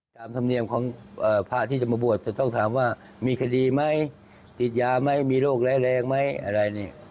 ธรรมเนียมของพระที่จะมาบวชจะต้องถามว่ามีคดีไหมติดยาไหมมีโรคร้ายแรงไหมอะไรเนี่ย